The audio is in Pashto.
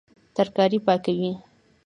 ترکاري پاکوي